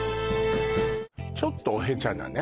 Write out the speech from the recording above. ちょっとおへちゃなね